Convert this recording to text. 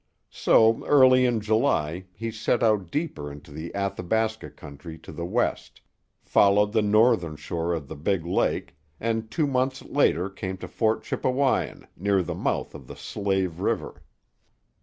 So early in July he set out deeper into the Athabasca country to the west, followed the northern shore of the big lake, and two months later came to Fort Chippewyan, near the mouth of the Slave River.